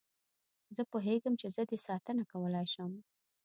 زه پوهېږم چې زه دې ساتنه کولای شم.